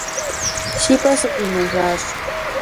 Си пӀэ сыкъинэжащ.